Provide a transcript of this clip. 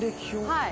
「はい。